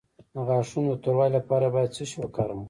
د غاښونو د توروالي لپاره باید څه شی وکاروم؟